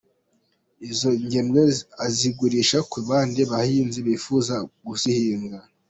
Izo ngemwe azigurisha ku bandi bahinzi bifuza kuzihinga.